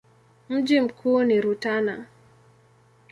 Mji mkuu ni Rutana.